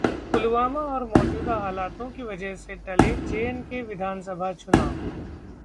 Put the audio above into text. पुलवामा और मौजूदा हालातों की वजह से टले J-K विधानसभा चुनाव